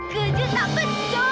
kerja tak pencet